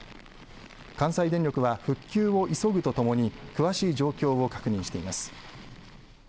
関西電力は復旧を急ぐとともに詳しい状況を確認しています。